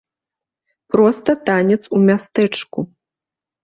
Проста танец у мястэчку.